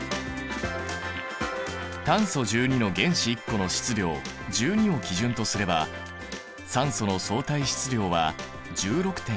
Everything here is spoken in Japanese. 炭素１２の原子１個の質量１２を基準とすれば酸素の相対質量は１６．０。